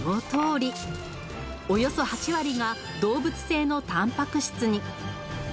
およそ８割が動物性のタンパク質に。